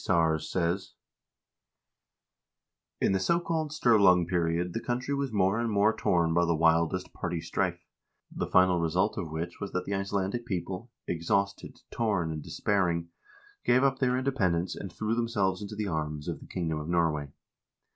Sars says :" In the so called Sturlung period the country was more and more torn by the wildest party strife, the final result of which was that the Icelandic people — exhausted, torn, and despairing — gave up their independence and threw themselves into the arms of the kingdom of Norway.